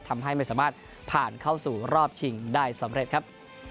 ทำให้ไม่สามารถผ่านเข้าสู่รอบชิงได้สำเร็จครับ